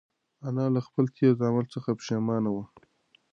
انا له خپل تېز عمل څخه پښېمانه وه.